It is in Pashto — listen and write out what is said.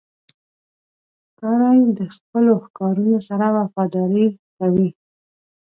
ښکاري د خپلو ښکارونو سره وفاداري کوي.